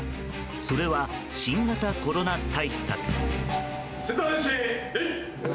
それは新型コロナ対策。